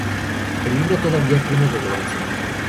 El libro todavía tiene relevancia.